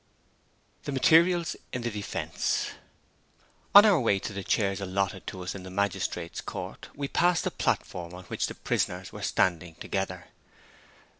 THE MATERIALS IN THE DEFENSE. ON our way to the chairs allotted to us in the magistrate's court, we passed the platform on which the prisoners were standing together.